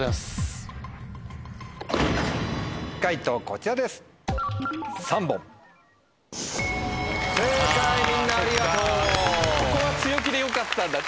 ここは強気でよかったんだ。